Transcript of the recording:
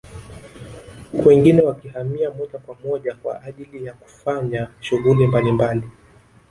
Huku wengine wakihamia moja kwa moja kwa ajili ya kufanya shughuli mbalimbali